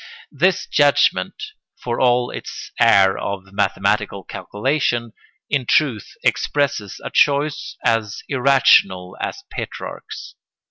This judgment, for all its air of mathematical calculation, in truth expresses a choice as irrational as Petrarch's.